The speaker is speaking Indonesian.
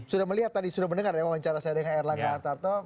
sudah melihat tadi sudah mendengar ya wawancara saya dengan erlangga hartarto